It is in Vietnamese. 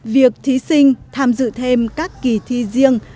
việc thí sinh tham dự thêm các kỳ thi riêng